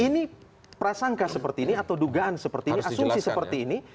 ini prasangka seperti ini atau dugaan seperti ini asumsi seperti ini